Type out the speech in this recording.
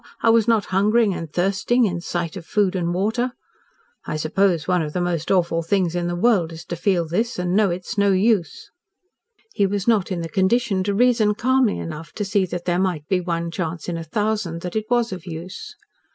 I was not hungering and thirsting in sight of food and water. I suppose one of the most awful things in the world is to feel this and know it is no use." He was not in the condition to reason calmly enough to see that there might be one chance in a thousand that it was of use.